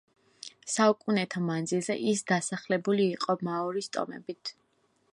საუკუნეთა მანძილზე ის დასახლებული იყო მაორის ტომებით.